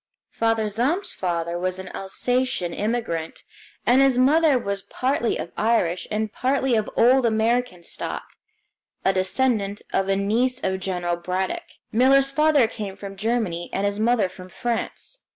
Father Zahm's father was an Alsacian immigrant, and his mother was partly of Irish and partly of old American stock, a descendant of a niece of General Braddock. Miller's father came from Germany, and his mother from France.